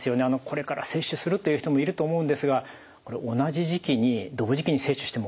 これから接種するという人もいると思うんですが同じ時期に同時期に接種しても問題ないんでしょうか？